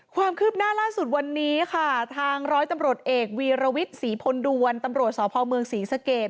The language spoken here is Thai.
ความคืบหน้าล่าสุดวันนี้ค่ะทางร้อยตำรวจเอกวีรวิทย์ศรีพลดวนตำรวจสพเมืองศรีสเกต